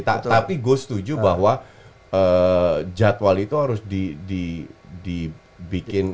tapi gue setuju bahwa jadwal itu harus dibikin